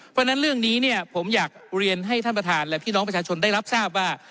เพราะฉะนั้นเรื่องนี้เนี่ยผมอยากเรียนให้ท่านประธานและพี่น้องประชาชนได้รับทราบว่า